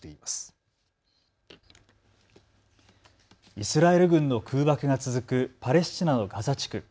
イスラエル軍の空爆が続くパレスチナのガザ地区。